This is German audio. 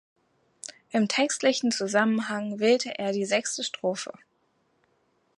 Im textlichen Zusammenhang wählte er die sechste Strophe.